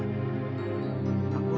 aku harus buat perhitungan